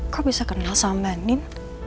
kok bisa kenal sama andin